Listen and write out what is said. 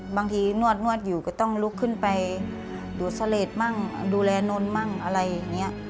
บางทีนวดอยู่ก็ต้องลุกขึ้นไปดูดเสลดมั่งดูแลนนมั่งอะไรอย่างนี้